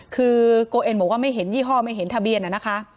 คือโกเอ็นบอกว่าไม่เห็นยี่ห้อไม่เห็นทะเบียนนะคะ